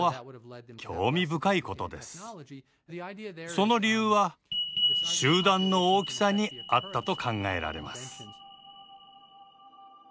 その理由は集団の大きさにあったと考えられます。